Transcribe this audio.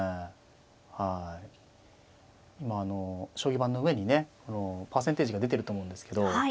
今将棋盤の上にねパーセンテージが出てると思うんですけど。